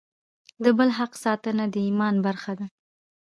د بل حق ساتنه د ایمان برخه ده.